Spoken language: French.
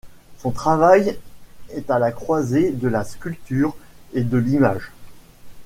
Son travail est à la croisée de la sculpture et de l’image.